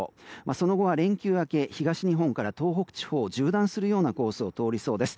その後は連休明け東日本から東北地方を縦断するコースをとりそうです。